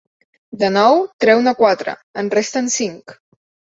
De nou, treu-ne quatre: en resten cinc.